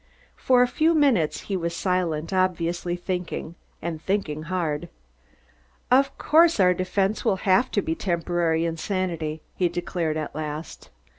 For a few minutes he was silent, obviously thinking, and thinking hard. "Of course, our defense will have to be temporary insanity," he declared at last.